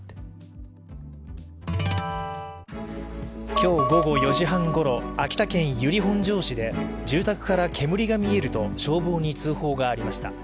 今日午後４時半ごろ、秋田県由利本荘市で住宅から煙が見えると消防に通報がありました。